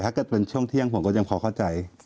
ถ้าเกิดเป็นช่วงเที่ยงผมก็ยังพอเข้าใจ